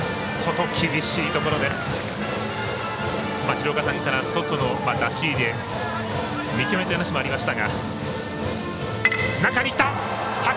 廣岡さんから外の出し入れ見極めという話もありました。